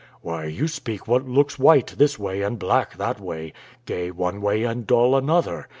"Why, you speak what looks white this way and black that way gay one way and dull another.